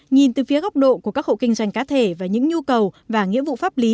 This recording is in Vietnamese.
nhìn từ phía góc độ của các hộ kinh doanh cá thể và những nhu cầu và nghĩa vụ pháp lý